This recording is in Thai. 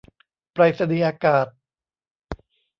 ไปรษณีย์อากาศ